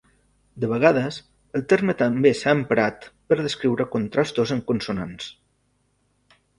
De vegades, el terme també s'ha emprat per descriure contrastos en consonants.